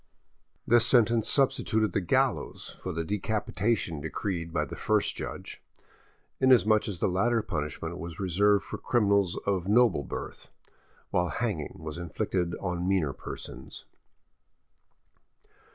This sentence substituted the gallows for the decapitation decreed by the first judge, inasmuch as the latter punishment was reserved for criminals of noble birth, while hanging was inflicted on meaner persons.